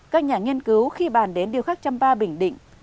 các nhà nghiên cứu khi bàn đến điêu khắc trầm pa bình định